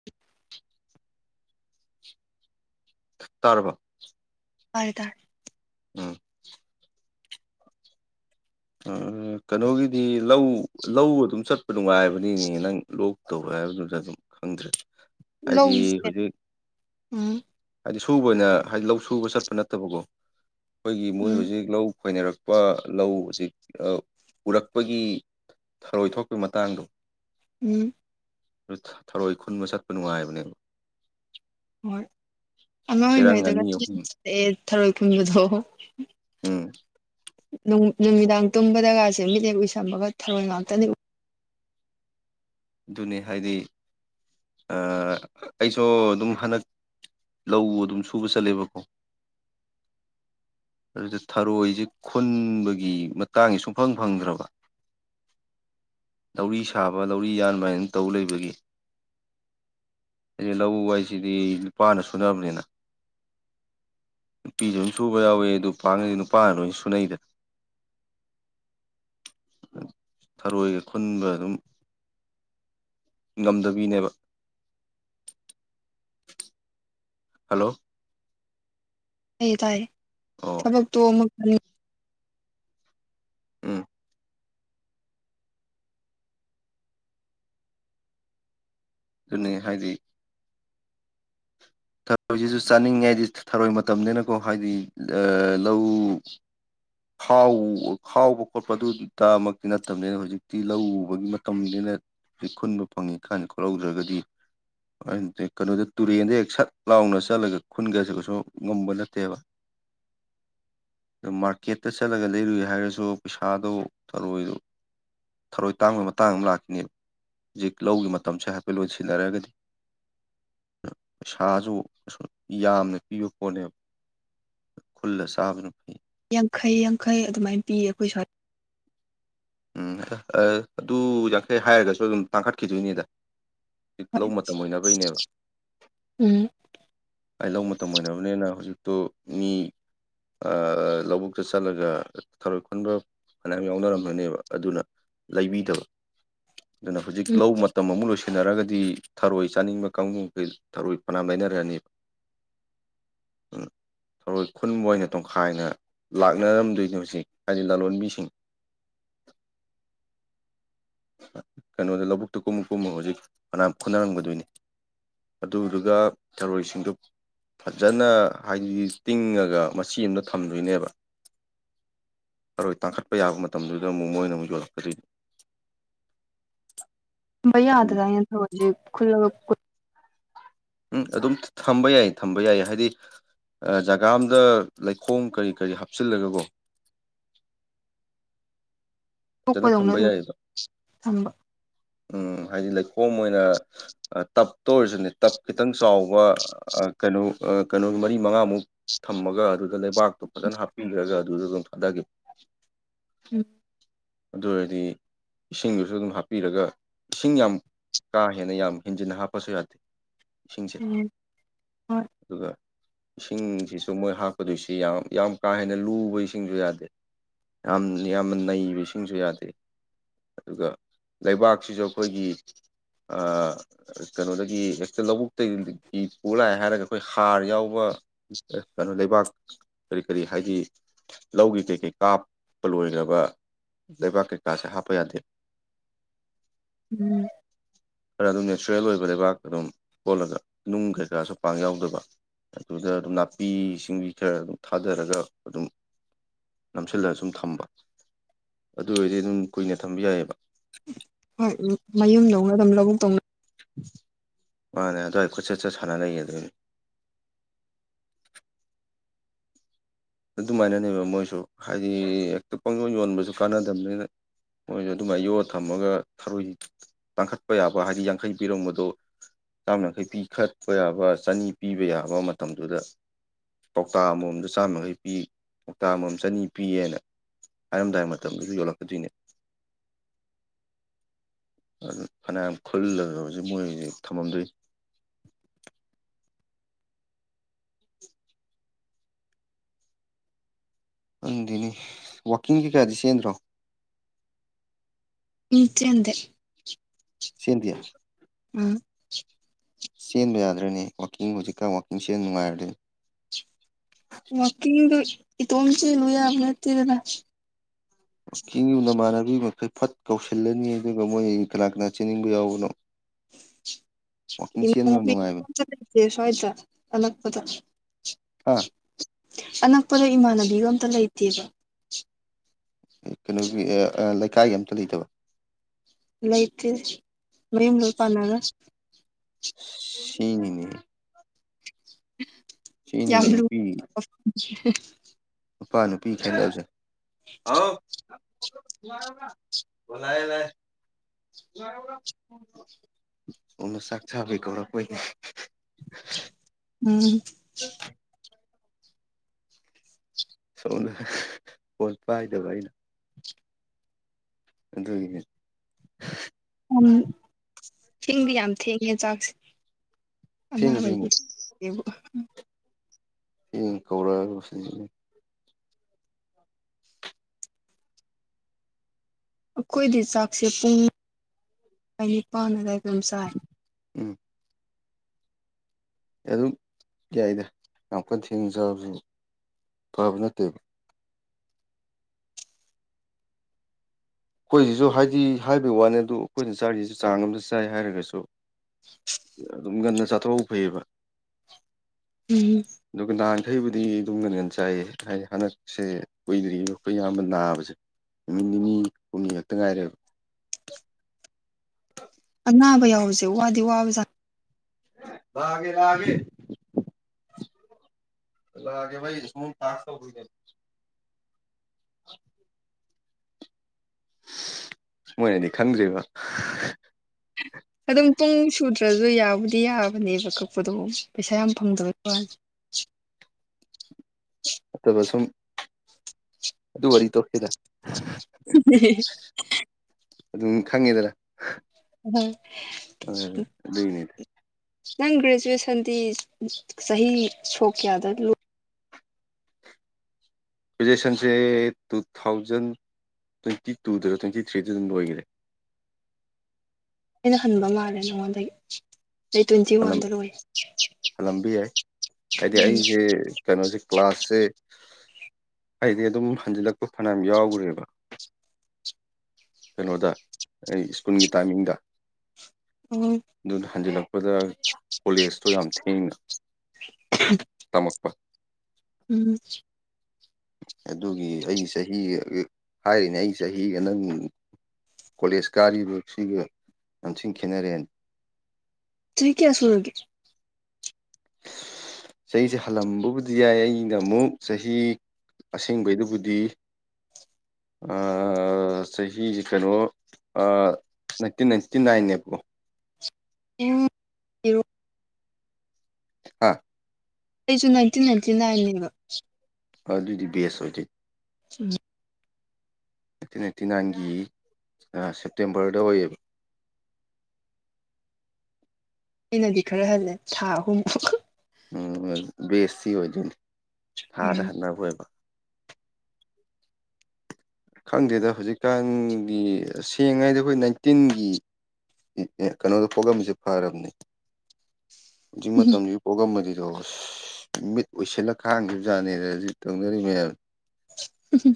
[unintelligible] ꯇꯔꯕꯣ꯫ ꯇꯔꯦ ꯇꯔꯦ꯫ ꯎꯝ꯫ ꯀꯩꯅꯣꯒꯤꯗꯤ ꯂꯧ ꯂꯧ ꯑꯗꯨꯝ ꯆꯠꯄ ꯅꯨꯡꯉꯥꯏꯕꯅꯤꯅꯦ ꯅꯪ ꯂꯣꯛ ꯇꯧ ꯍꯥꯏꯕꯗꯨꯗ ꯑꯗꯨꯝ꯫ ꯈꯪꯗ꯭ꯔꯦ ꯍꯥꯏꯗꯤ ꯂꯧꯁꯦ ꯍꯧꯖꯤꯛ꯫ ꯎꯝ ꯍꯥꯏꯗꯤ ꯁꯨꯕ ꯑꯣꯏꯅ ꯍꯥꯏꯗꯤ ꯂꯧ ꯁꯨꯕ ꯆꯠꯄ ꯅꯠꯇꯕꯀꯣ ꯑꯩꯈꯣꯏꯒꯤ ꯃꯣꯏ ꯎꯝ ꯍꯧꯖꯤꯛ ꯂꯧ ꯈꯣꯏꯅꯔꯛ ꯂꯄ ꯂꯧ ꯍꯧꯖꯤꯛ ꯑꯥ ꯎꯔꯛꯄꯒꯤ ꯊꯔꯣꯏ ꯊꯣꯛꯄ ꯃꯇꯥꯡꯗꯣ꯫ ꯎꯝ꯫ ꯑꯗꯨ ꯊꯔꯣꯏ ꯈꯨꯟꯕ ꯆꯠꯄ ꯅꯨꯡꯉꯥꯏꯕꯅꯦꯕ꯫ ꯍꯣꯏ ꯑꯉꯥꯡ ꯆꯦꯔꯪ ꯑꯣꯏꯔꯤꯉꯩꯗꯒ ꯑꯅꯤ ꯑꯍꯨꯝ ꯆꯠꯂꯛꯑꯦ ꯊꯔꯣꯏ ꯈꯨꯝꯕꯗꯣ꯫ ꯎꯝ꯫ ꯅꯨꯃꯤꯗꯥꯡ ꯇꯨꯝꯕꯗꯒꯁꯦ ꯃꯤꯠ ꯍꯦꯛ ꯎꯏꯁꯟ ꯕꯒ ꯃꯤꯠ ꯁꯤꯗ ꯊꯥꯔꯣꯏ ꯉꯥꯛꯇꯅꯤ꯫ ꯑꯗꯨꯅꯤ ꯍꯥꯏꯗꯤ ꯑꯩꯁꯨ ꯑꯗꯨꯝ ꯍꯗꯛ ꯂꯧ ꯑꯗꯨꯝ ꯁꯨꯕ ꯆꯠꯂꯦꯕꯀꯣ꯫ ꯑꯗꯨꯗ ꯊꯔꯣꯏꯁꯦ ꯈꯨꯟꯕꯒꯤ ꯃꯇꯥꯡꯁ ꯁꯨꯡꯐꯪ ꯐꯪꯗ꯭ꯔꯕ꯫ ꯂꯧꯔꯤ ꯁꯥꯕ ꯂꯧꯔꯤ ꯌꯥꯟꯕ ꯍꯥꯏꯅ ꯑꯗꯨꯝ ꯇꯧ ꯂꯩꯕꯒꯤ꯫ ꯑꯦ ꯂꯧ ꯍꯥꯏꯁꯤꯗꯤ ꯅꯨꯄꯥꯅ ꯁꯨꯅꯔꯕꯅꯤꯅ꯫ ꯅꯨꯄꯤꯁꯨ ꯑꯗꯨꯝ ꯁꯨꯕ ꯌꯥꯎꯋꯦ ꯑꯗꯨ ꯄꯥꯛꯅꯗꯤ ꯅꯨꯄꯥꯅ ꯂꯣꯏ ꯁꯨꯅꯩꯗꯅ꯫ ꯊꯔꯣꯏꯒ ꯈꯨꯟꯕ ꯑꯗꯨꯝ ꯉꯝꯗꯕꯤꯅꯦꯕ꯫ ꯍꯜꯂꯣ꯫ ꯇꯥꯏꯌꯦ ꯇꯥꯏꯌꯦ ꯑꯣ ꯊꯕꯛꯇꯨ ꯑꯃꯨꯛ ꯎꯝ ꯑꯗꯨꯅꯤ ꯍꯥꯏꯁꯤ꯫ ꯊꯔꯣꯏꯁꯤꯁꯨ ꯆꯥꯅꯤꯡꯉꯦ ꯍꯥꯏꯗꯤ ꯊꯔꯣꯏ ꯃꯇꯝꯅꯤꯅꯀꯣ ꯍꯥꯏꯗꯤ ꯂꯧ [unintelligible] ꯈꯥꯎ ꯈꯥꯎꯕ ꯈꯣꯠꯄ ꯑꯗꯨꯗꯃꯛꯇꯤ ꯅꯠꯇꯕꯅꯤꯅ ꯍꯧꯖꯤꯛꯇꯤ ꯂꯧ ꯎꯕꯒꯤ ꯃꯇꯝꯅꯤꯅ ꯈꯨꯟꯕ ꯐꯪꯉꯤ ꯀꯟꯗ ꯈꯨꯜꯍꯧꯗ꯭ꯔꯒꯗꯤ ꯀꯩꯅꯣꯗ ꯇꯨꯔꯦꯟꯗ ꯍꯦꯛ ꯁꯠ ꯂꯥꯎꯅ ꯆꯠꯂꯒ ꯈꯨꯟꯒꯁꯤꯒꯁꯨ ꯉꯝꯕ ꯅꯠꯇꯦꯕ꯫ ꯑ ꯃꯥꯔꯀꯦꯠꯇ ꯆꯠꯂꯒ ꯂꯩꯔꯨꯏ ꯍꯥꯏꯔꯁꯨ ꯄꯩꯁꯥꯗꯣ ꯊꯔꯣꯏꯗꯣ꯫ ꯊꯔꯣꯏ ꯇꯥꯡꯕꯩ ꯃꯇꯥꯡ ꯑꯃ ꯂꯥꯛꯈꯤꯅꯦꯕ ꯍꯧꯖꯤꯛ ꯂꯧꯒꯤ ꯃꯇꯝꯁꯦ ꯍꯥꯏꯐꯦꯠ ꯂꯣꯏ ꯁꯤꯟꯅꯔꯒꯗꯤ ꯁꯥꯁꯨ ꯑꯁꯨ ꯌꯥꯝꯅ ꯄꯤꯕ ꯄꯣꯠꯅꯦꯕ ꯈꯨꯜꯂ ꯆꯥꯕꯅ ꯐꯩ꯫ ꯌꯥꯡꯈꯩ ꯌꯥꯡꯈꯩ ꯑꯗꯨꯃꯥꯏꯅ ꯄꯤꯌꯦ ꯑꯩꯈꯣꯏ ꯁ꯭ꯋꯥꯏꯗ ꯎꯝ ꯑꯗꯨ ꯌꯥꯡꯈꯩ ꯍꯥꯏꯔꯒꯁꯨ ꯑꯗꯨꯝ ꯇꯥꯡꯈꯠꯈꯤꯗꯣꯏꯅꯤꯗ꯫ ꯍꯣꯏ ꯂꯧ ꯃꯇꯝ ꯑꯣꯏꯅꯕꯩꯅꯦꯕ꯫ ꯎꯝ ꯑꯩ ꯂꯧ ꯃꯇꯝ ꯑꯣꯏꯕꯅꯤꯅ ꯍꯧꯖꯤꯛꯇꯨ ꯃꯤ ꯑꯥ ꯂꯧꯕꯨꯛꯇ ꯆꯠꯂꯒ ꯊꯧꯔꯣꯏ ꯈꯨꯟꯕ ꯐꯅꯌꯥꯝ ꯌꯥꯎꯅꯔꯝꯒꯅꯦꯕ꯫ ꯑꯗꯨꯅ ꯂꯩꯕꯤꯗꯕ ꯑꯗꯨꯅ ꯍꯧꯖꯤꯛ ꯎꯝ ꯂꯧ ꯃꯇꯝ ꯑꯃꯨꯛ ꯂꯣꯏ ꯅꯔꯒꯗꯤ ꯊꯔꯣꯏ ꯆꯥꯅꯤꯡꯕ ꯀꯥꯡꯕꯨꯈꯩ ꯊꯔꯣꯏ ꯐꯅꯌꯥꯝ ꯂꯩꯅꯔꯅꯤ꯫ ꯎꯝ꯫ ꯊꯧꯔꯣꯏ ꯈꯨꯟꯕ ꯑꯣꯏꯅ ꯇꯣꯡꯈꯥꯏꯅ ꯂꯥꯛꯅꯔꯝꯗꯣꯏꯅꯤ ꯍꯧꯖꯤꯛ ꯍꯥꯏꯗꯤ ꯂꯂꯣꯟꯕꯤꯁꯤꯡ꯫ ꯀꯩꯅꯣꯗ ꯂꯧꯕꯨꯛꯇ ꯀꯨꯝꯃ ꯀꯨꯝꯃ ꯍꯧꯖꯤꯛ ꯃꯅꯌꯥꯝ ꯈꯨꯟꯅꯔꯝꯒꯗꯣꯏꯅꯤ꯫ ꯑꯗꯨꯗꯨꯒ ꯊꯔꯣꯏꯁꯤꯡꯗꯨ ꯐꯖꯅ ꯍꯥꯏꯗꯤ ꯇꯤꯡꯉꯒ ꯃꯆꯤ ꯑꯃꯗ ꯊꯝꯗꯣꯏꯅꯦꯕ꯫ ꯊꯔꯣꯏ ꯇꯥꯡꯈꯠꯄ ꯌꯥꯕ ꯃꯇꯝꯗꯨꯗ ꯑꯃꯨꯛ ꯃꯣꯏꯅ ꯑꯃꯨꯛ ꯌꯣꯜꯛꯀꯗꯣꯏꯅꯤ꯫ ꯊꯝꯕ ꯑꯗꯨ ꯌꯥꯗꯥꯔꯅꯦ ꯊꯔꯣꯏꯖꯦ ꯈꯨꯜꯂꯒ [unintelligible] ꯎꯝ ꯑꯗꯨꯝ ꯊꯝꯕ ꯌꯥꯏ ꯊꯝꯕ ꯌꯥꯏ ꯍꯥꯏꯗꯤ꯫ ꯑ ꯖꯒꯥ ꯑꯝꯗ ꯂꯩꯈꯣꯝ ꯀꯔꯤ ꯀꯔꯤ ꯍꯥꯞꯆꯤꯜꯂꯒ ꯀꯣ꯫ ꯐꯖꯅ ꯇꯣꯛꯄꯗꯧꯅ ꯊꯝꯕ ꯑꯗꯨꯝ ꯌꯥꯏꯌꯦꯕ ꯊꯝꯕ ꯎꯝ ꯍꯥꯏꯗꯤ ꯂꯩ ꯍꯣꯝ ꯑꯣꯏꯅ ꯑ ꯇꯞ ꯇ ꯑꯣꯏꯖꯨꯅꯦ ꯇꯞ ꯈꯤꯇꯪ ꯆꯥꯎꯕ ꯑ ꯀꯩꯅꯣ ꯑ ꯀꯩꯅꯣ ꯃꯔꯤ ꯃꯉꯥꯃꯨꯛ ꯊꯝꯃꯒ ꯑꯗꯨꯗ ꯂꯩꯕꯥꯛꯇꯣ ꯐꯖꯅ ꯍꯥꯞꯄꯤꯒ꯭ꯔꯒ ꯑꯗꯨꯗ ꯑꯗꯨꯝ ꯊꯥꯗꯒꯤ ꯎꯝ ꯑꯗꯨ ꯑꯣꯏꯔꯗꯤ ꯏꯁꯤꯡꯗꯨꯁꯨ ꯑꯗꯨꯝ ꯍꯥꯞꯄꯤꯔꯒ ꯏꯁꯤꯡ ꯌꯥꯝ ꯀꯥ ꯍꯦꯟꯅ ꯌꯥꯝ ꯍꯦꯟꯖꯤꯟꯅ ꯍꯥꯞꯄꯁꯨ ꯌꯥꯗꯦ ꯏꯁꯤꯡꯁꯦ ꯎꯝ ꯍꯣꯏ ꯑꯗꯨꯒ ꯏꯁꯤꯡꯁꯤꯁꯨ ꯃꯣꯏ ꯍꯥꯞꯀꯗꯣꯏꯁꯤ ꯌꯥꯝ ꯌꯥꯝ ꯀꯥ ꯍꯦꯟꯅ ꯂꯨꯕ ꯏꯁꯤꯡꯁꯨ ꯌꯥꯗꯦ ꯌꯥꯝ ꯌꯥꯝꯅ ꯅꯩꯕ ꯏꯁꯤꯡꯁꯨ ꯌꯥꯗꯦ ꯑꯗꯨꯒ ꯂꯩꯕꯥꯛꯁꯤꯖꯨ ꯑꯩꯈꯣꯏꯒꯤ ꯑꯥ ꯀꯩꯅꯣꯗꯒꯤ ꯍꯦꯛꯇ ꯂꯧꯕꯨꯛꯇꯩ ꯒꯤ ꯄꯨ ꯂꯥꯛꯑꯦ ꯍꯥꯏꯔꯒ ꯑꯩꯈꯣꯏ ꯍꯥꯔ ꯌꯥꯎꯕ ꯀꯩꯅꯣ ꯂꯩꯕꯥꯛ ꯀꯔꯤ ꯀꯔꯤ ꯍꯥꯏꯗꯤ ꯂꯧꯒꯤ ꯀꯩ ꯀꯩ ꯀꯥꯞꯄ ꯂꯣꯏꯒ꯭ꯔꯕ ꯂꯩꯕꯥꯛ ꯀꯩꯀꯥꯁꯦ ꯍꯥꯞꯄ ꯌꯥꯗꯦ ꯎꯝ ꯈꯔ ꯑꯗꯨꯝ ꯅꯦꯆꯔꯦꯜ ꯑꯣꯏꯕ ꯂꯩꯕꯥꯛ ꯑꯗꯨꯝ ꯀꯣꯠꯂꯒ ꯅꯨꯡ ꯀꯩꯀꯥꯁꯨ ꯄꯥꯛ ꯌꯥꯎꯗꯕ ꯑꯗꯨꯗ ꯑꯗꯨꯝ ꯅꯥꯄꯤ ꯁꯤꯡꯕꯤ ꯈꯔ ꯑꯗꯨꯝ ꯊꯥꯗꯔꯒ ꯑꯗꯨꯝ ꯅꯝꯁꯤꯜꯂ ꯁꯨꯝ ꯊꯝꯕ ꯑꯗꯨ ꯑꯣꯏꯗꯤ ꯑꯗꯨꯝ ꯀꯨꯏꯅ ꯊꯝꯕ ꯌꯥꯏꯑꯦꯕ ꯍꯣꯏ ꯎꯝ ꯃꯌꯨꯝꯗꯧꯅ ꯑꯗꯨꯝ ꯂꯧꯕꯨꯛꯛꯇꯧꯅ ꯃꯥꯅꯦ ꯑꯗ꯭ꯋꯥꯏ ꯀꯣꯏꯆꯠ ꯆꯠ ꯁꯥꯟꯅ ꯂꯩꯒꯗꯣꯏꯅꯦ ꯑꯗꯨꯃꯥꯏꯅꯅꯦꯕ ꯃꯣꯏꯁꯨ ꯍꯥꯏꯗꯤ ꯍꯦꯛꯇ ꯄꯪꯌꯣꯟ ꯌꯣꯟꯕꯁꯨ ꯀꯥꯟꯅꯗꯝꯅꯤꯅ ꯃꯣꯏꯖꯨ ꯑꯗꯨꯃꯥꯏ ꯌꯣꯛꯑ ꯊꯝꯃꯒ ꯊꯔꯣꯏ ꯇꯥꯡꯈꯠꯄ ꯌꯥꯕ ꯍꯥꯏꯗꯤ ꯌꯥꯡꯈꯩ ꯄꯤꯔꯝꯕꯗꯣ ꯆꯥꯝ ꯌꯥꯡꯈꯩ ꯄꯤꯈꯠꯄ ꯌꯥꯕ ꯆꯅꯤ ꯄꯤꯕ ꯌꯥꯕ ꯃꯇꯝꯗꯨꯗ ꯀꯧꯇꯥ ꯑꯃꯃꯝꯗ ꯆꯥꯝ ꯌꯥꯡꯈꯩ ꯄꯤ ꯀꯧꯇꯥ ꯑꯃꯃꯝ ꯆꯅꯤ ꯄꯤꯌꯦꯅ ꯍꯥꯏꯔꯝꯗꯥꯏ ꯃꯇꯝꯗꯨꯗ ꯌꯣꯜꯂꯛꯀꯗꯨꯏꯅꯦ [inaudible] ꯑꯗꯨ ꯐꯅꯌꯥꯝ ꯈꯨꯜꯂꯒ ꯍꯨꯖꯤꯛ ꯃꯣꯏꯒꯤ ꯊꯝꯃꯝꯗꯣꯏ ꯑꯪꯗꯦꯅꯦ ꯋꯥꯛꯀꯤꯡ ꯀꯩꯀꯥꯗꯤ ꯆꯦꯟꯗ꯭ꯔꯣ ꯎꯝ ꯆꯦꯟꯗꯦ ꯆꯦꯟꯗꯤꯌꯦ ꯎꯝ ꯆꯦꯟꯕ ꯌꯥꯗ꯭ꯔꯅꯦ ꯋꯥꯛꯀꯤꯡ ꯍꯧꯖꯤꯛꯀꯥꯟ ꯋꯥꯛꯀꯤꯡ ꯆꯦꯟ ꯅꯨꯡꯉꯥꯏꯔꯗꯨꯗꯤ [inaudible] ꯋꯥꯛꯀꯤꯡꯗꯣ ꯏꯇꯣꯝ ꯆꯦꯜꯂꯨ ꯌꯥꯕ ꯅꯠꯇꯦꯗꯅ ꯀꯤꯡꯕꯨ ꯅꯃꯥꯟꯅꯕꯤ ꯃꯈꯩ ꯐꯠ ꯀꯧꯁꯤꯜꯂꯅꯤ ꯑꯗꯨꯒ ꯃꯣꯏ ꯀꯅꯥ ꯀꯅꯥ ꯆꯦꯟꯅꯤꯡꯕ ꯌꯥꯎꯕꯅꯣ ꯋꯥꯛꯀꯤꯡ ꯆꯦꯟꯕ ꯌꯥꯝ ꯅꯨꯡꯉꯥꯏꯕꯅꯤ [unintelligible] ꯁ꯭ꯋꯥꯏꯗ ꯑꯅꯛꯄꯗ ꯍꯥꯥ ꯑꯅꯛꯄꯗ ꯏꯃꯥꯟꯅꯕꯤꯒ ꯑꯝꯇ ꯂꯩꯇꯦꯕ ꯀꯩꯅꯣꯒꯤ ꯂꯩꯀꯥꯏꯒꯤ ꯑꯝꯇ ꯂꯩꯇꯕ ꯂꯩ ꯂꯩꯇ ꯃꯝ ꯂ ꯄꯅꯒ ꯁꯤꯅꯤꯅꯦ ꯌꯥ ꯁꯤꯅꯤꯅꯦ ꯅꯨꯄꯤ ꯅꯨꯄꯥ ꯅꯨꯄꯤ ꯈꯦꯗꯁꯦ [unintelligible] ꯑꯣ ꯂꯥꯛꯑꯦ ꯂꯥꯛꯑꯦ [unintelligible] ꯍꯅꯁꯛꯆꯥ ꯑꯕ ꯀꯧꯔ ꯀ ꯎꯝ ꯎꯝ ꯁꯣꯝꯅ ꯄꯣꯠ ꯄꯥꯏꯗꯕ ꯑꯩꯅ ꯑꯗꯨꯅꯤ ꯌꯥꯝ ꯆꯦꯡꯗꯤ ꯌꯥꯝ ꯊꯦꯡꯉꯦ ꯆꯥꯛꯁꯦ ꯊꯦꯡ ꯊꯦꯡ ꯑꯅꯥꯕꯕꯨꯗꯤ ꯕꯨ ꯍ ꯀꯧꯔꯁꯤ ꯑꯩꯈꯣꯏꯗꯤ ꯆꯥꯛꯁꯦ ꯄꯨꯡ ꯅꯤꯄꯥꯟ ꯑꯗꯨꯗꯥꯋꯥꯏ ꯑꯗꯨꯝ ꯆꯥꯏ ꯎꯝ ꯑꯗꯨꯝ ꯌꯥꯏꯗ ꯉ ꯀꯟ ꯊꯦꯡꯅꯖꯕꯁꯨ ꯐꯕ ꯅꯠꯇꯦꯕ ꯑꯩꯈꯣꯏꯁꯤꯁꯨ ꯍꯥꯏꯗꯤ ꯍꯥꯏꯕꯒꯤ ꯋꯥꯅꯤ ꯑꯗꯨ ꯑꯩꯈꯣꯏꯅ ꯆꯥꯔꯤꯁꯤꯁꯨ ꯆꯥꯡ ꯑꯃꯝꯗ ꯆꯥꯏ ꯍꯥꯏꯔꯒꯁꯨ ꯑꯗꯨꯝ ꯉꯟꯅ ꯆꯥꯊꯣꯛꯍꯧꯕ ꯐꯩꯑꯕ ꯎꯝ ꯑꯗꯨꯒ ꯅꯍꯥꯟꯈꯩꯕꯨꯗꯤ ꯑꯗꯨꯝꯅ ꯍꯦꯟꯅ ꯆꯥꯏꯌꯦ ꯍꯥꯏꯗꯤ ꯍꯥꯟꯅ ꯁꯦ ꯀꯨꯏꯗ꯭ꯔꯤꯉꯩꯗꯣ ꯑꯩꯈꯣꯏ ꯑꯌꯥꯝꯕ ꯅꯥꯕꯁꯦ ꯅꯨꯃꯤꯠ ꯅꯤꯅꯤ ꯍꯨꯝꯅꯤ ꯈꯛꯇ ꯉꯥꯏꯔꯦꯕ ꯑꯅꯥꯕ ꯌꯥꯎꯁꯦ ꯋꯥꯗꯤ ꯋꯥꯕꯥ ꯕꯦꯔꯒꯦ ꯑꯂꯒꯦ ꯊꯥꯁ ꯊꯧ [inaudible] ꯃꯣꯏꯅꯗꯤ ꯈꯟꯗ꯭ꯔꯤꯕ ꯑꯗꯨꯝ ꯄꯨꯡ ꯁꯨꯗ꯭ꯔꯁꯨ ꯌꯥꯕꯨꯗꯤ ꯌꯥꯕꯅꯦꯕ ꯀꯛꯄꯗꯣ ꯄꯩꯁꯥ ꯌꯥꯝ ꯐꯪꯗꯣꯏꯁꯦ ꯑ ꯁꯨꯝ ꯑꯗꯨ ꯋꯥꯔꯤ ꯇꯧꯗ ꯑꯗꯨꯝ ꯈꯪꯉꯦꯗꯅ ꯑꯝ ꯑꯗꯨꯏꯅꯦ ꯅꯪ ꯒ꯭ꯔꯦꯖꯨꯋꯦꯁꯟꯗꯤ ꯆꯍꯤ ꯁꯣꯛ ꯀꯌꯥꯗ ꯂ ꯔꯤꯖꯦꯁꯟꯁꯦ ꯇꯨ ꯊꯥꯎꯖꯟ ꯇ꯭ꯋꯦꯟꯇꯤ ꯇꯨꯗꯔ ꯇ꯭ꯋꯦꯟꯇꯤ ꯊ꯭ꯔꯤꯗ ꯑꯗꯨꯝ ꯂꯣꯏꯈꯔꯦ ꯑꯩꯅ ꯍꯟꯕ ꯃꯥꯜꯂꯦ ꯅꯪꯉꯣꯟꯗꯒꯤ ꯑꯩ ꯇ꯭ꯋꯦꯟꯇꯤ ꯋꯥꯟꯗ ꯂꯣꯏ ꯍꯜꯂꯝꯕ ꯌꯥꯏ ꯍꯥꯏꯗꯤ ꯎꯝ ꯑꯩꯁꯦ ꯀꯩꯅꯣꯁꯦ ꯀ꯭ꯂꯥꯁꯁꯦ ꯑꯩꯗꯤ ꯑꯗꯨꯝ ꯍꯟꯖꯤꯜꯂꯛꯄ ꯐꯅꯌꯥꯝ ꯌꯥꯎꯈ꯭ꯔꯦꯕ ꯀꯩꯅꯣꯗ ꯑꯩ ꯁ꯭ꯀꯨꯜꯒꯤ ꯇꯥꯏꯃꯤꯡꯗ ꯎꯝ ꯑꯗꯨꯅ ꯍꯟꯖꯤꯜꯂꯛꯄꯗ ꯀꯣꯂꯦꯖꯇꯣ ꯌꯥꯝ ꯊꯦꯡꯅ ꯎ ꯇꯃꯛꯄ ꯎꯝ ꯑꯗꯨꯒꯤ ꯑꯩ ꯆꯍꯤ ꯍꯥꯏꯔꯤꯅꯦ ꯑꯩ ꯆꯍꯤꯒ ꯅꯪ ꯀꯣꯂꯦꯖ ꯒꯥꯔꯤꯕ ꯁꯤꯒ ꯑꯊ ꯈꯦꯠꯅꯔꯦꯅ ꯇꯏ ꯀꯌꯥꯁꯅꯒꯦ ꯆꯍꯤꯁꯦ ꯍꯜꯂꯝꯕꯕꯨꯗꯤ ꯌꯥꯏ ꯑꯩꯅ ꯑꯃꯨꯛ ꯆꯍꯤ ꯑꯁꯦꯡꯕꯩꯗꯨꯕꯨꯗꯤ ꯆꯍꯤꯁꯤ ꯀꯩꯅꯣ ꯅꯥꯏꯟꯇꯤꯟ ꯅꯥꯏꯟꯇꯤ ꯅꯥꯏꯟꯅꯦꯕꯣ ꯑ ꯍꯥꯥ ꯑꯩꯁꯨ ꯅꯥꯏꯟꯇꯤꯟ ꯅꯥꯏꯟꯇꯤ ꯅꯥꯏꯟꯅꯦꯕ ꯍ ꯑꯗꯨꯗꯤ ꯁꯣ ꯑꯗꯨꯗꯤ ꯎꯝ ꯅꯥꯏꯟꯇꯤꯟ ꯑꯩꯅꯥꯏꯠꯇꯤ ꯅꯥꯏꯟꯒꯤ ꯁꯦꯞꯇꯦꯝꯕꯔꯗ ꯑꯣꯏꯌꯦꯕ ꯑꯩꯅꯗꯤ ꯈꯔ ꯍꯜꯂꯦ ꯊꯥ ꯑꯍꯨꯝꯨꯛ ꯕꯦꯁꯁꯤ ꯑꯣꯏꯗꯣꯏꯅꯤ ꯊꯥꯗ ꯎꯝ ꯍꯟꯅꯕ ꯑꯣꯏꯕ ꯈꯪꯗꯦꯗ ꯍꯧꯖꯤꯛꯀꯥꯟꯒꯤ ꯁꯦꯡꯉꯗ ꯑꯩꯈꯣꯏ ꯅꯥꯏꯟꯇꯤꯟꯒꯤ ꯑꯦ ꯑꯦ ꯀꯩꯅꯣꯗ ꯄꯣꯂꯝꯝꯁꯦ ꯐꯔꯕꯅꯤ ꯍꯧꯖꯤꯛ ꯃꯇꯝꯁꯤ ꯄꯣꯛꯑꯝꯕꯅꯤꯗꯣ ꯃꯤꯠ ꯑꯣꯏꯁꯤꯜꯂꯒ ꯈꯥꯡꯈꯤꯕ ꯖꯥꯠꯅꯦꯗ ꯍꯧꯖꯤꯛ ꯇꯧꯅꯔꯤ ꯃꯌꯥꯝ ꯎꯝ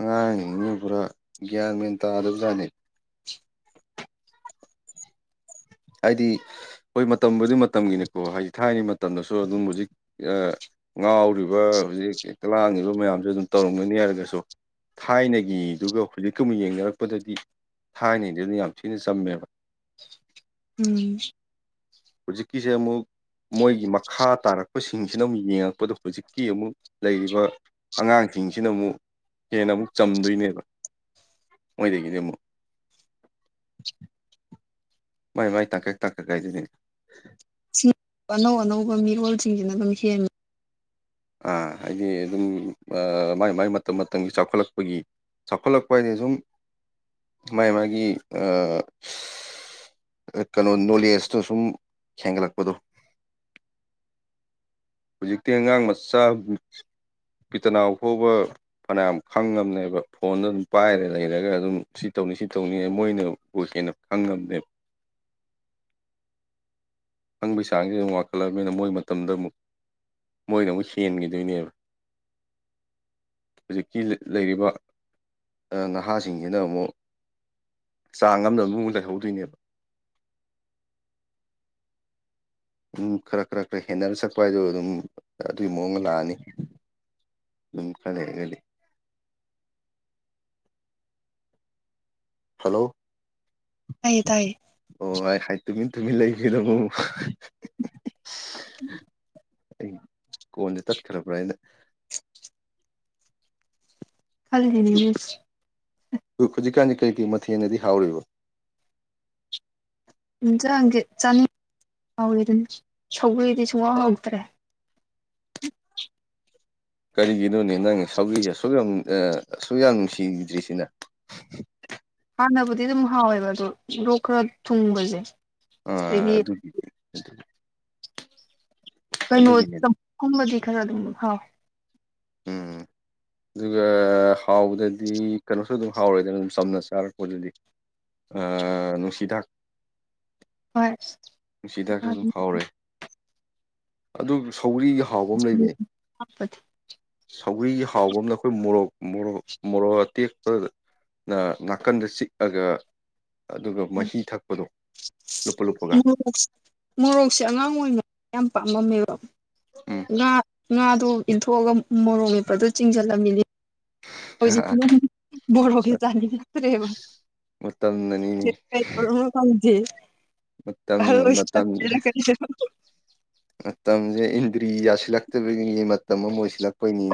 ꯑꯉꯥꯡꯅꯤꯡ ꯅꯤ ꯄꯨꯔꯥ ꯒ꯭ꯌꯥꯟ ꯃꯌ‌ꯦꯟ ꯇꯥꯗꯕꯖꯥꯠꯅꯤ ꯍꯥꯏꯗꯤ ꯍꯣꯏ ꯃꯇꯝꯕꯨꯗꯤ ꯃꯇꯝꯒꯤꯅꯤꯀꯣ ꯍꯥꯏꯗꯤ ꯊꯥꯏꯅ ꯃꯇꯝꯗꯁꯨ ꯑꯗꯨꯝ ꯍꯧꯖꯤꯛ ꯑ ꯉꯥꯎꯔꯤꯕ ꯍꯧꯖꯤꯛ ꯂꯥꯡꯉꯤꯕ ꯃꯌꯥꯝꯁꯨ ꯑꯗꯨꯝ ꯇꯧꯔꯝꯒꯅꯤ ꯍꯥꯏꯔꯒꯁꯨ ꯊꯥꯏꯅꯒꯤꯗꯨꯒ ꯍꯧꯖꯤꯛꯀ ꯑꯃꯨꯛ ꯌꯦꯡꯅꯔꯛꯄꯗꯗꯤ ꯊꯥꯏꯅꯒꯤꯗꯨꯅ ꯌꯥꯝ ꯊꯤꯅ ꯆꯝꯃꯦꯕ ꯎꯝ ꯍꯨꯖꯤꯛꯀꯤꯁꯦ ꯑꯃꯨꯛ ꯃꯣꯏꯒꯤ ꯃꯈꯥ ꯇꯥꯔꯛꯄꯁꯤꯡꯁꯤꯅ ꯑꯃꯨꯛ ꯌꯦꯡꯉꯛꯄꯗ ꯍꯧꯖꯤꯛꯀꯤ ꯑꯃꯨꯛ ꯂꯩꯔꯤꯕ ꯑꯉꯥꯡꯁꯤꯡꯁꯤꯅ ꯑꯃꯨꯛ ꯍꯦꯟꯅ ꯑꯃꯨꯛ ꯆꯝꯗꯣꯏꯅꯦꯕ ꯃꯣꯏꯗꯒꯤꯗꯤ ꯑꯃꯨꯛ ꯃꯥꯏ ꯃꯥꯏ ꯇꯥꯛꯀꯛ ꯇꯥꯛꯀꯛ ꯀꯥꯏꯗꯨꯅꯦ ꯑꯅꯧ ꯑꯅꯧꯕ ꯃꯤꯔꯣꯜꯁꯤꯡꯁꯤꯅ ꯑꯗꯨꯝ ꯍ‌ꯦꯟ ꯑꯥ ꯍꯥꯏꯗꯤ ꯑꯗꯨꯝ ꯑ ꯃꯥꯏ ꯃꯥꯏ ꯃꯇꯝ ꯃꯇꯝꯒꯤ ꯆꯥꯎꯈꯠꯂꯛꯄꯒꯤ ꯆꯥꯎꯈꯠꯂꯛꯄ ꯍꯥꯏꯗꯤ ꯁꯨꯝ ꯃꯥꯥꯏ ꯃꯥꯏꯒꯤ ꯑ ꯀꯩꯅꯣ ꯅꯣꯂꯦꯖꯇꯣ ꯁꯨꯝ ꯍꯦꯟꯒꯠꯂꯛꯄꯗꯣ ꯍꯧꯖꯤꯛꯇꯤ ꯑꯉꯥꯡ ꯃꯆꯥ ꯕꯤ ꯇꯅꯥꯎ ꯐꯥꯎꯕ ꯐꯅꯌꯥꯝ ꯈꯪꯉꯝꯅꯦꯕ ꯐꯣꯟꯗ ꯑꯗꯨꯝ ꯄꯥꯏꯔꯦ ꯂꯩꯔꯒ ꯑꯗꯨꯝ ꯁꯤ ꯇꯧꯅꯤ ꯁꯤ ꯇꯧꯅꯤ ꯃꯣꯏꯅꯕꯨ ꯍꯦꯟꯅ ꯈꯪꯉꯝꯅ‌ꯦꯕ ꯈꯪꯕꯩ ꯆꯥꯡꯖ‌ꯦ ꯑꯃꯨꯛ ꯋꯥꯡꯈꯠꯂꯕꯅꯤꯅ ꯃꯣꯏ ꯃꯇꯝꯗ ꯑꯃꯨꯛ ꯃꯣꯏꯗ ꯑꯃꯨꯛ ꯍ‌ꯦꯟꯒꯤꯗꯣꯏꯅꯦꯕ ꯍꯧꯖꯤꯛꯀꯤ ꯂꯩꯔꯤꯕ ꯅꯍꯥꯁꯤꯡꯁꯤꯅ ꯑꯃꯨꯛ ꯆꯥꯡ ꯑꯝꯗ ꯑꯗꯨꯝ ꯂꯩꯍꯧꯗꯣꯏꯅꯦꯕ ꯎꯝ ꯈꯔ ꯈꯔ ꯈꯔ ꯍꯦꯟꯅꯔ ꯆꯠꯄ ꯍꯥꯏꯗꯣ ꯑꯗꯨꯝ ꯑꯗꯨꯒꯤ ꯃꯑꯣꯡꯗ ꯂꯥꯛꯑꯅꯤ ꯎꯝ ꯈꯔꯥ ꯂꯩꯔꯒꯗꯤ ꯍꯂꯣ ꯍꯥꯏꯌ‌ꯦ ꯇꯥꯏꯌ‌ꯦ ꯑꯣ ꯑꯩ ꯍꯥꯏ ꯇꯨꯃꯤꯟ ꯇꯨꯃꯤꯟ ꯂꯩꯒꯔꯤꯗꯨꯕ‌ꯣ [inaudible] ꯑꯩ ꯀꯣꯟꯖ‌ꯦ ꯇꯠꯈ꯭ꯔꯥꯕ꯭ꯔꯥ ꯑꯩꯅ ꯈꯜꯂꯤꯅꯤꯅꯦ ꯍꯧꯖꯤꯛꯀꯥꯟꯗꯤ ꯀꯩ ꯀꯩ ꯃꯊꯦꯡꯅꯗꯤ ꯍꯥꯎꯔꯤꯕ ꯌꯦꯟꯖꯥꯡꯖ‌ꯦ ꯆꯅꯤ ꯍꯥꯎꯋꯦ ꯑꯗꯨꯅꯤ ꯁꯧꯒꯔꯤꯗꯤ ꯁꯨꯡꯍꯥꯎ ꯍꯥꯎꯇ꯭ꯔꯦ ꯀꯔꯤꯒꯤꯅꯣꯅꯦ ꯅꯪ ꯁꯧꯒꯔꯤ ꯑꯁꯨꯛ ꯌꯥꯝ ꯑꯁꯨꯛ ꯌꯥꯝ ꯅꯨꯡꯁꯤꯒꯤꯗ꯭ꯔꯤꯁꯤ ꯅ ꯍꯥꯟꯅꯕꯨꯗꯤ ꯑꯗꯨꯝ ꯍꯥꯎꯋꯦꯕ ꯑꯗꯣ ꯂꯣꯛ ꯈꯔ ꯊꯨꯡꯕꯖ‌ꯦ ꯑꯥ ꯑꯗꯨꯒꯤ ꯀꯩꯅꯣ ꯑꯗꯨꯒꯤꯅꯦ ꯆꯝꯐꯨꯠ ꯀꯨꯝꯕꯗꯤ ꯈꯔ ꯑꯗꯨꯝ ꯍꯥꯎꯋ‌ꯦ ꯎꯝ ꯑꯗꯨꯒ ꯍꯥꯎꯕꯗꯗꯤ ꯀꯩꯅꯣꯁꯨ ꯑꯗꯨꯝ ꯍꯥꯎꯔꯦꯗꯅ ꯑꯗꯨꯝ ꯆꯝꯅ ꯆꯥꯔꯛꯄꯗꯨꯗꯤ ꯑꯩ ꯅꯨꯡꯁꯤ ꯗꯥꯛ ꯍꯣꯏ ꯅꯨꯡꯁꯤꯗꯥꯛꯁꯨ ꯑꯗꯨꯝ ꯍꯥꯎꯔꯦ ꯑꯗꯨꯝ ꯁꯧꯒꯔꯤꯒꯤ ꯍꯥꯎꯕ ꯑꯃ ꯂꯩꯕꯅꯦ ꯁꯧꯒꯔꯤ ꯍꯥꯎꯕ ꯑꯃꯅ ꯑꯩꯈꯣꯏ ꯃꯣꯔꯣꯛ ꯃꯣꯔꯣꯛ ꯃꯣꯔꯣꯛ ꯑꯇꯦꯛꯄꯒ ꯅ ꯅꯥꯀꯟꯗ ꯆꯤꯛꯑꯒ ꯑꯗꯨꯒ ꯃꯍꯤ ꯊꯛꯄꯗꯣ ꯂꯨꯞꯄ ꯂꯨꯞꯄꯒ ꯃꯣꯔꯣꯛ ꯃꯣꯔꯣꯛꯁꯦ ꯑꯉꯥꯡ ꯑꯣꯏꯅ ꯌꯥꯝ ꯄꯥꯝꯃꯝꯃꯦꯕ ꯎꯝ ꯉꯥ ꯉꯥꯗꯨꯏꯟꯊꯣꯛ ꯑꯒ ꯃꯣꯔꯣꯛ ꯃꯦꯠꯄꯗꯨ ꯆꯤꯡꯖꯜꯂꯝꯃꯤꯅꯤ ꯍꯧꯖꯤꯛꯁꯤꯅ ꯃꯣꯔꯣꯛ ꯁꯦ ꯆꯥꯅꯤꯡꯉꯛꯇ꯭ꯔꯦꯕ ꯃꯇꯝꯅꯅꯤꯅꯦ ꯀꯩꯗꯧꯔꯕꯅꯣ ꯈꯪꯗꯦ ꯃꯇꯝ ꯑꯍꯜ ꯑ‌ꯣꯏꯁꯜ ꯂꯛ ꯃꯇꯝ ꯄꯩꯔ ꯀꯩꯅꯅ‌ꯣ ꯃꯇꯝꯖ‌ꯦ ꯏꯟꯗ꯭ꯔꯤ ꯌꯥꯁꯤꯜꯂꯛꯇꯕꯒꯤꯅꯤ ꯃꯇꯝ ꯑꯃ ꯑꯣꯏꯁꯤꯜꯂꯛꯄꯩꯅꯤ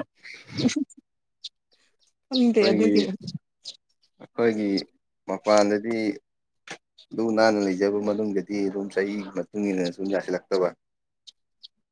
[unintelligible] ꯑꯗꯨꯒꯤꯅꯦ ꯑꯩꯈꯣꯏꯒꯤ ꯑꯩꯈꯣꯏꯒꯤ ꯃꯄꯥꯟꯗꯗꯤ ꯑꯗꯨꯝ ꯂꯨ ꯅꯥꯟꯅ ꯂꯩꯖꯕ ꯃꯅꯨꯡꯗꯗꯤ ꯑꯗꯨꯝ ꯆꯍꯤꯒꯤ ꯃꯇꯨꯡ ꯏꯟꯅ ꯁꯨꯝ ꯌꯥꯁꯤꯜꯂꯛꯇꯕ